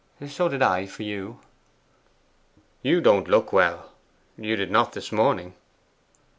'So did I for you.' 'You don't look well: you did not this morning.